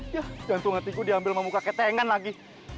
jangan tuh hatiku diambil sama muka ketengan lagi